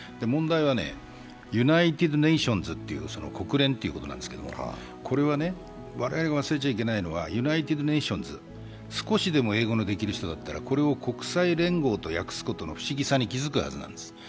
問題は、ユナイテッド・ネーションズっていう国連ってことですが我々は忘れちゃいけないのは、ユナイテッド・ネイションズ、少しでも英語のできる人ならこれを国際連合と訳すことの不思議さに気付くはずなんです。